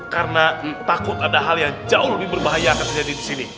karena takut ada hal yang jauh lebih berbahaya akan terjadi disini